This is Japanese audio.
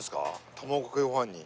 卵かけご飯に。